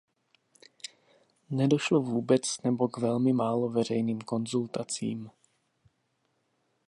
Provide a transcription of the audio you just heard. Nedošlo vůbec nebo k velmi málo veřejným konzultacím.